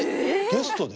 ゲストで？